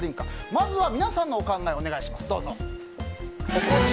まずは皆さんのお考えをお願いします。